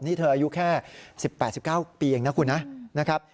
นี่เธออายุแค่๑๘๑๙ปีเองนะคุณนะครับ